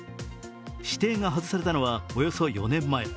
指定が外されたのは、およそ４年前。